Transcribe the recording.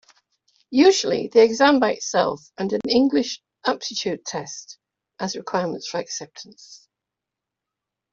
Usually the exam by itself and an English Aptitude Test as requirements for acceptance.